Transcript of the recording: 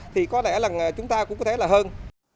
thì có lẽ là chúng ta cũng có thể là hơn